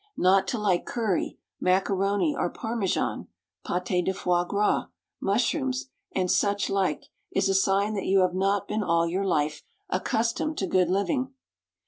Not to like curry, macaroni, or parmesan, pâté de foie gras, mushrooms, and such like, is a sign that you have not been all your life accustomed to good living.